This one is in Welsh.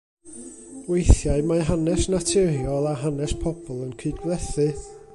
Weithiau mae hanes naturiol a hanes pobl yn cydblethu.